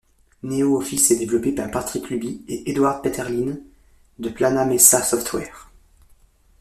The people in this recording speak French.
NeoOffice est développé par Patrick Luby et Edward Peterlin, de Planamesa Software.